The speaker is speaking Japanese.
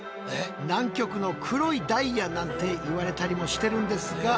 南極の黒いダイヤなんていわれたりもしてるんですが。